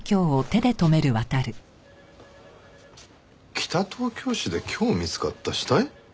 北東京市で今日見つかった死体？